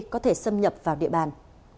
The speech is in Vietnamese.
có thể xâm nhập vào địa bàn